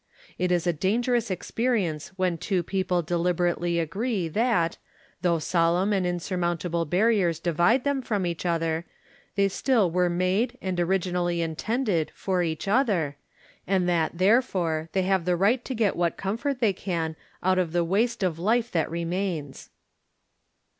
It is a dangerous experience when two people deliberately agree that, though solemn and insurmountable barriers divide them from each other, they still were made, "and origir nally intended, for each other, and that, there fore, they have the right to get what comfort they can out of the waste of life that remains.